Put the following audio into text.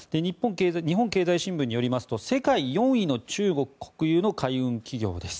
日本経済新聞によりますと世界４位の中国国有の海運企業です。